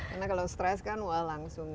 karena kalau stress kan wah langsung